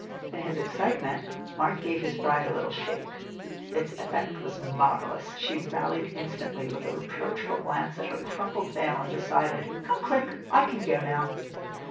In his excitement, Mark gave his bride a little shake. Its effect was marvellous. She rallied instantly, with a reproachful glance at her crumpled veil and a decided "Come quick, I can go now."